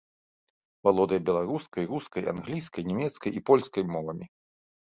Валодае беларускай, рускай, англійскай, нямецкай і польскай мовамі.